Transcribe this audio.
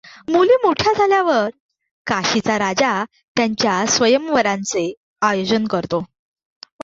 मुली मोठ्या झाल्यावर काशीचा राजा त्यांच्या स्वयंवराचे आयोजन करतो.